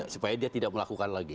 supaya dia tidak melakukan lagi